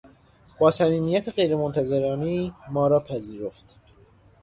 با صمیمیت غیرمنتظرهای ما را پذیرفت.